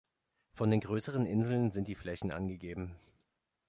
Von den größeren Inseln sind die Flächen angegeben.